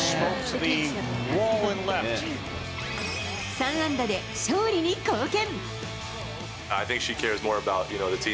３安打で勝利に貢献。